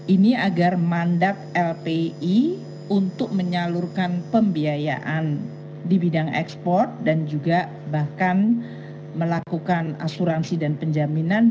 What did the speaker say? ini agar mandat lpi untuk menyalurkan pembiayaan di bidang ekspor dan juga bahkan melakukan asuransi dan penjaminan